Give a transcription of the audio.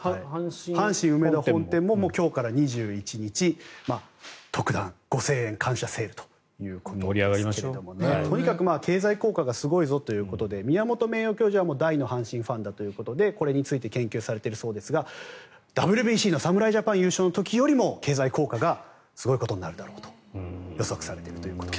阪神梅田本店も今日から２１日特段５０００円感謝セールということでとにかく経済効果がすごいということで宮本名誉教授は大の阪神ファンだということでこれについて研究されているそうですがＷＢＣの侍ジャパン優勝の時よりも経済効果がすごいことになるだろうと予測されているということです。